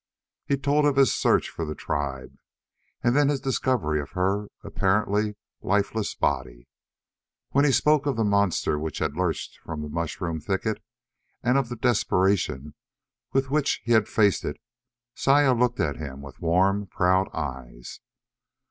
He told of his search for the tribe and then his discovery of her apparently lifeless body. When he spoke of the monster which had lurched from the mushroom thicket, and of the desperation with which he had faced it, Saya looked at him with warm, proud eyes.